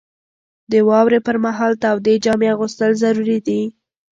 • د واورې پر مهال تودې جامې اغوستل ضروري دي.